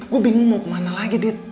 gue bingung mau kemana lagi di